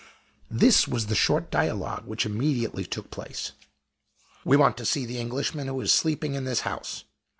This was the short dialogue which immediately took place: "We want to see the Englishman who is sleeping in this house?"